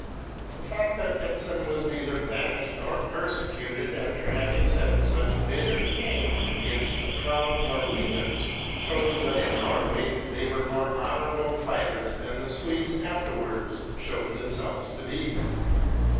The fact that Ibsen was neither banished nor persecuted after having said such bitter things against the proud Norwegians, shows that in Norway they were more honourable fighters than the Swedes afterwards showed themselves to be.